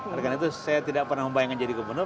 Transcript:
karena itu saya tidak pernah membayangkan menjadi gubernur